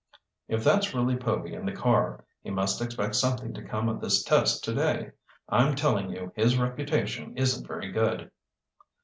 "If that's really Povy in the car, he must expect something to come of this test today! I'm telling you, his reputation isn't very good!"